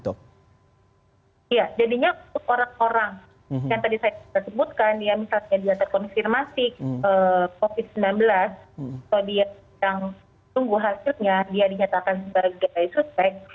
yang bisa melakukan perawatan mandiri di rumah sakit atau justru yang harus melakukan perawatan di rumah sakit